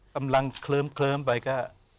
กำลังเคลิ้มไปก็